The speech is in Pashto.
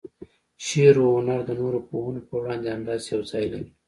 شعر و هنر د نورو پوهنو په وړاندې همداسې یو ځای لري.